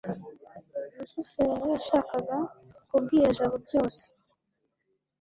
rusufero yashakaga kubwira jabo byose